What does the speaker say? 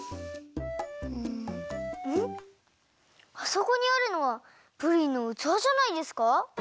あそこにあるのはプリンのうつわじゃないですか？